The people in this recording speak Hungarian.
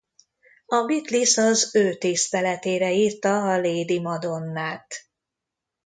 A Beatles az ő tiszteletére írta a Lady Madonnát.